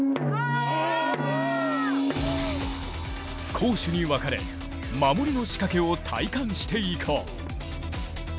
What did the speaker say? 攻守に分かれ守りの仕掛けを体感していこう。